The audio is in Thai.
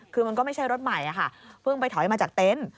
คือมันก็ไม่ใช่รถใหม่ค่ะเพิ่งไปถอยมาจากเต็นต์